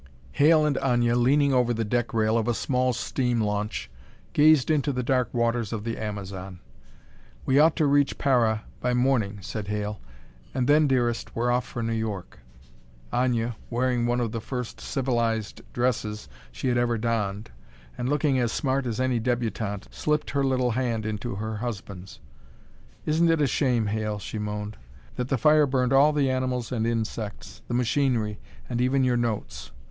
Hale and Aña, leaning over the deck rail of a small steam launch, gazed into the dark waters of the Amazon. "We ought to reach Para by morning," said Hale, "and then, dearest, we're off for New York!" Aña, wearing one of the first civilized dresses she had ever donned, and looking as smart as any débutante, slipped her little hand into her husband's. "Isn't it a shame, Hale," she moaned, "that the fire burned all the animals and insects, the machinery, and even your notes?"